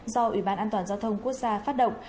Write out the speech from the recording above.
do ủy ban an toàn giao thông quốc gia phát động